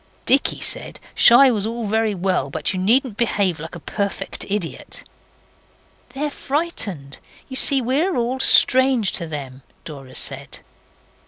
Dicky said shy was all very well, but you needn't behave like a perfect idiot. 'They're frightened. You see we're all strange to them,' Dora said.